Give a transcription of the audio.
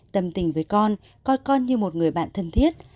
tâm tình với con coi con như một người bạn thân thiết